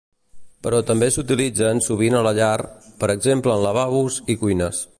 Però també s'utilitzen sovint a la llar, per exemple en lavabos i cuines.